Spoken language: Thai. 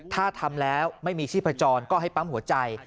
ถ้าทำแล้วไม่มีชีพจรก็ให้ปั๊มหัวใจ